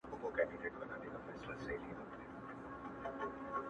o اوس خورا په خړپ رپيږي ورځ تېرېږي.